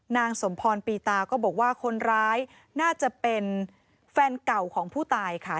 นางสมพรปีตาก็บอกว่าคนร้ายน่าจะเป็นแฟนเก่าของผู้ตายค่ะ